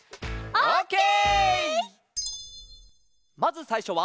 オッケー！